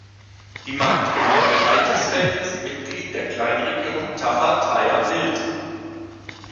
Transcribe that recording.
Die Marktgemeinde Weitersfeld ist Mitglied der Kleinregion Taffa-Thaya-Wild.